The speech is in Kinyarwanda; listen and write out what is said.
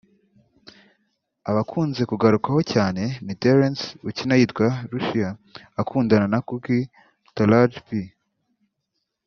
abakunze kugarukwaho cyane ni Terrence ukina yitwa Lucious akundana na Cookie (Taraji P